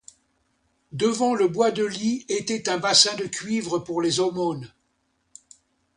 Devant le bois de lit était un bassin de cuivre pour les aumônes.